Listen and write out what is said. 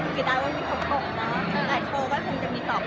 บรรยากาศรับร้อนเป็นไงครับ